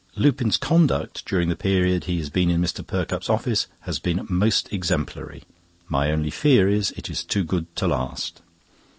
Lupin's conduct during the period he has been in Mr. Perkupp's office has been most exemplary. My only fear is, it is too good to last.